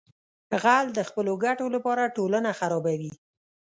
غل د خپلو ګټو لپاره ټولنه خرابوي